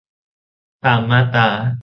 ตามมาตรา